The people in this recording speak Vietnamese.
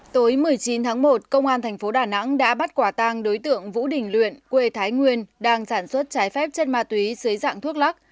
tối một mươi chín tháng một công an thành phố đà nẵng đã bắt quả tang đối tượng vũ đình luyện quê thái nguyên đang sản xuất trái phép chất ma túy dưới dạng thuốc lắc